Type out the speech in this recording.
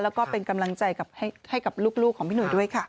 แล้วก็เป็นกำลังใจให้กับลูกของพี่หนุ่ยด้วยค่ะ